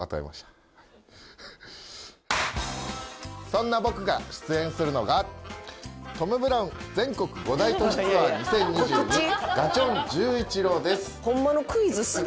そんな僕が出演するのがトム・ブラウン全国五大都市ツアー２０２２「がちょん十一郎」です。